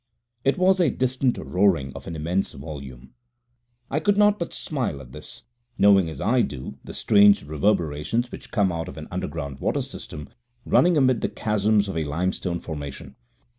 It was a distant roaring of an immense volume. I could not but smile at this, knowing, as I do, the strange reverberations which come out of an underground water system running amid the chasms of a limestone formation.